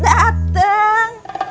si tukang cemberut dateng